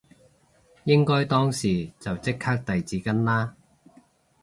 應該當時就即刻遞紙巾啦